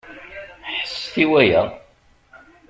Ḥesset i waya!